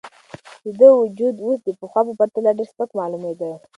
د ده وجود اوس د پخوا په پرتله ډېر سپک معلومېده.